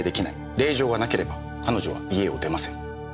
令状がなければ彼女は家を出ません。